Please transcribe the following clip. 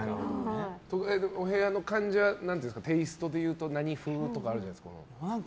お部屋の感じはテイストでいうと何風とかあるんですか？